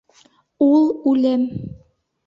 Ул — үлем!